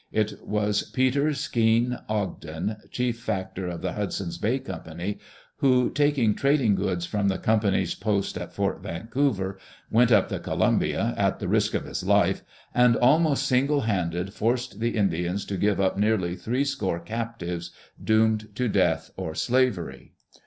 It was Peter Skeen Ogden, chief factor of the Hudson's Bay Company, who, taking trading goods from the Company's post at Fort Vancouver, went up the Columbia, at the risk of his life, and almost single handed forced the Indians to give up nearly three score captives, doomed to death or slavery.